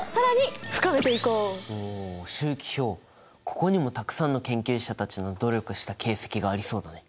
ここにもたくさんの研究者たちの努力した形跡がありそうだね。